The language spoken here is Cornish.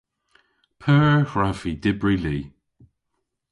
P'eur hwrav vy dybri li?